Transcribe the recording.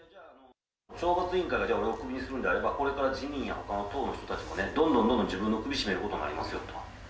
懲罰委員会が、俺を首にするんであれば、これから自民やほかの党の人も、どんどんどんどん自分の首絞めることになりますよと。